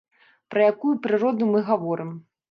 Пра якую прыроду мы гаворым?